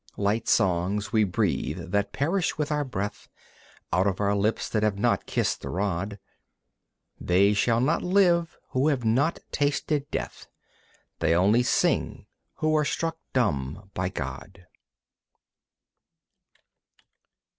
Light songs we breathe that perish with our breath Out of our lips that have not kissed the rod. They shall not live who have not tasted death. They only sing who are struck dumb by God.